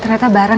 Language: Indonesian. tidak ada masalah